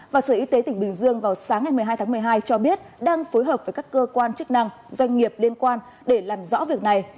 và sở y tế tỉnh bình dương vào sáng ngày một mươi hai tháng một mươi hai cho biết đang phối hợp với các cơ quan chức năng doanh nghiệp liên quan để làm rõ việc này